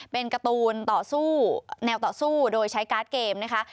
เป็นการ์ตูนต่อสู้แนวต่อสู้โดยใช้การ์ดเกมนะคะ